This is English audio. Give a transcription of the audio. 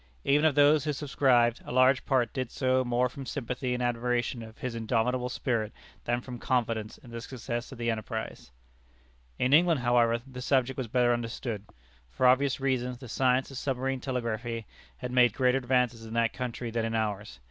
Even of those who subscribed, a large part did so more from sympathy and admiration of his indomitable spirit than from confidence in the success of the enterprise. In England, however, the subject was better understood. For obvious reasons, the science of submarine telegraphy had made greater advances in that country than in ours.